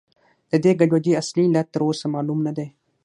د دې ګډوډۍ اصلي علت تر اوسه معلوم نه دی.